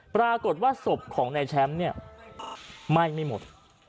ปรากฏว่าศพของนายแชมป์เนี่ยไหม้ไม่หมด